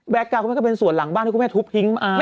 แบกการ์ว์มันก็เป็นส่วนหลังบ้านทุบพิงมา